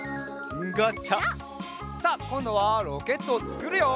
さあこんどはロケットをつくるよ。